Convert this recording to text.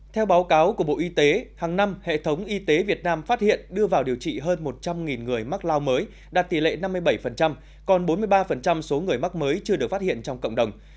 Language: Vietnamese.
theo báo cáo của bộ y tế hàng năm hệ thống y tế việt nam phát hiện đưa vào điều trị hơn một trăm linh người mắc lao mới đạt tỷ lệ năm mươi bảy còn bốn mươi ba số người mắc mới chưa được phát hiện trong cộng đồng